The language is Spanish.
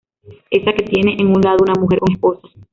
Esa que tiene en un lado una mujer con esposas.